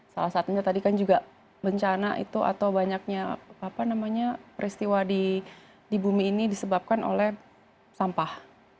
salah satunya tadi kan juga bencana itu atau banyaknya peristiwa di bumi ini disebabkan oleh sampah